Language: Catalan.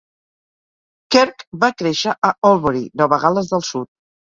Kirk va créixer a Albury, Nova Gal·les del Sud.